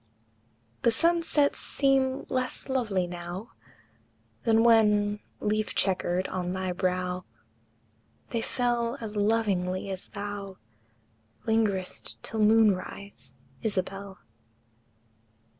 The sunsets seem less lovely now Than when, leaf checkered, on thy brow They fell as lovingly as thou Lingered'st till moon rise, Isabel!